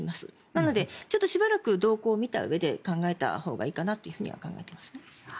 なのでしばらく動向を見たうえで考えたほうがいいかなと考えていますね。